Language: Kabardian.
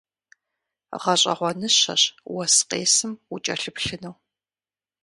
Гъэщӏэгъуэныщэщ уэс къесым укӏэлъыплъыну.